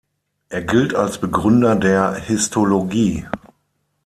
Er gilt als Begründer der Histologie.